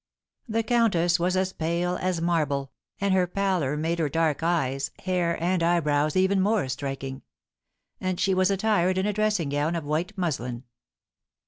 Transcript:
The countess was as pale as marble, and her pallor made her dark eyes, hair, and eyebrows even more striking; and she was attired in a dressing gown of white muslin.